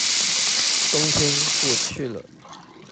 冬天過去了